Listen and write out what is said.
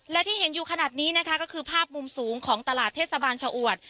และที่เห็นอยู่ขนาดนี้นะคะก็คือภาพมุมสูงของตลาดเทศบาลชะอวด